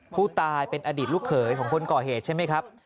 ผู้ตายเป็นอดีตลูกเขยของคนก่อเหตุใช่ไหมครับ